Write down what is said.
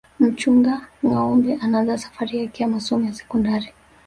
mchunga ngâombe anaanza safari yake ya masomo ya sekondari